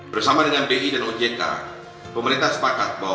bersama dengan bi dan ojk pemerintah sepakat bahwa